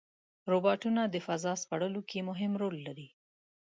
روبوټونه د فضا سپړلو کې مهم رول لري.